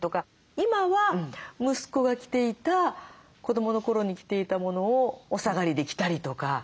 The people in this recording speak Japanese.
今は息子が着ていた子どもの頃に着ていたものをお下がりで着たりとか。